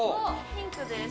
ヒントです。